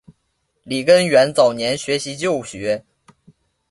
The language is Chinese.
李根源早年学习旧学。